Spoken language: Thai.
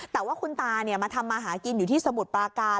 แต่ว่าคุณตามาทำมาหากินอยู่ที่สมุทรปราการ